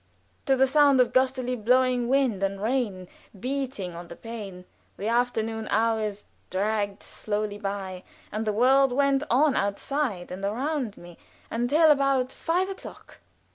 To the sound of gustily blowing wind and rain beating on the pane, the afternoon hours dragged slowly by, and the world went on outside and around me until about five o'clock.